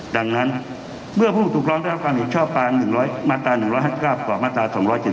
ดังนั้นเมื่อผู้ถูกร้องรัฐมนตร์การเหตุชอบมาตรา๑๕๙กว่ามาตรา๒๗๒